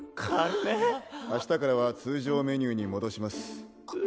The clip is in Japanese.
明日からは通常メニューに戻します。